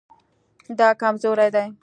دا کمزوری دی